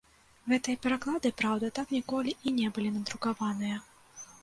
Гэтыя пераклады, праўда, так ніколі і не былі надрукаваныя.